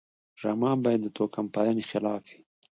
ډرامه باید د توکم پالنې خلاف وي